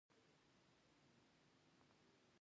دوی باوري وو چې زندان ته به یې نه اچوي.